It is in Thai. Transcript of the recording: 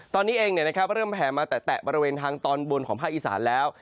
ตอนนี้เองเริ่มแห่มาแตะบริเวณทางตอนบนของภาคอีสานแล้ว